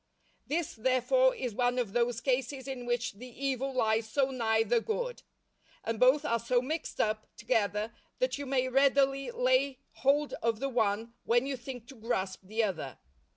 This, therefore, is one of those cases in which the evil lies so nigh the good, and both are so mixed up together that you may readily lay hold of the one when you think to grasp the other.